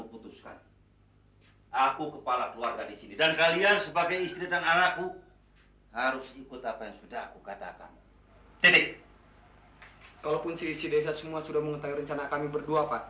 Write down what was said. kalaupun desa semua sudah mengetahui rencana kami berdua pak